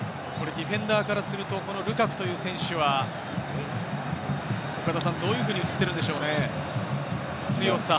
ディフェンダーからするとルカクという選手はどうやって映ってるんでしょうか？